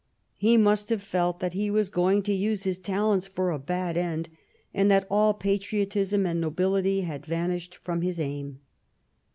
He must have' felt that he was going to use his talents for a bad end, and that all patriotism and nobility had vanished from his aim.